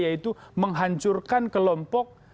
yaitu menghancurkan kelompok